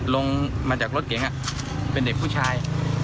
ลงมาจากรถเก๋งเป็นเด็กผู้ชาย